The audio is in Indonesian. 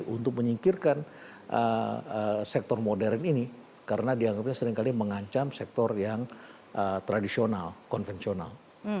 untuk menyingkirkan sektor modern ini karena dianggapnya seringkali mengancam sektor yang tradisional konvensional